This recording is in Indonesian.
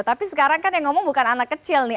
tapi sekarang kan yang ngomong bukan anak kecil nih